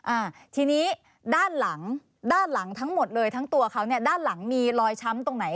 อ่าทีนี้ด้านหลังด้านหลังทั้งหมดเลยทั้งตัวเขาเนี่ยด้านหลังมีรอยช้ำตรงไหน